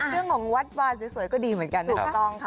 เรื่องของวัดวาดสวยก็ดีเหมือนกันนะ